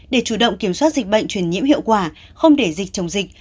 để chủ động kiểm soát dịch bệnh truyền nhiễm hiệu quả không để dịch chồng dịch